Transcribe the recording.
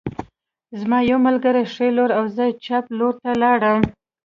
زما یو ملګری ښي لور او زه چپ لور ته لاړم